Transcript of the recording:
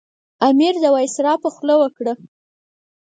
امیر د وایسرا په خوله وکړه.